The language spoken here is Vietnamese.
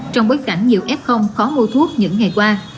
trong bối cảnh nhiều f khó mua thuốc những ngày qua